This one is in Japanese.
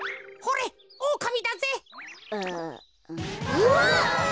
うわっ。